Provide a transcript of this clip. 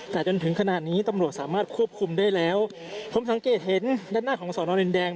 แต่จนถึงขณะนี้ตำรวจสามารถควบคุมได้แล้วผมสังเกตเห็นด้านหน้าของสอนอดินแดง